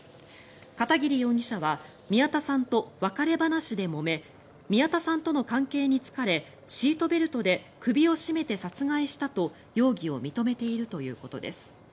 片桐容疑者は宮田さんと別れ話でもめ宮田さんとの関係に疲れシートベルトで首を絞めて殺害したと容疑を認めているということです。